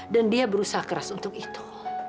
dan dia berusaha keras untuk itu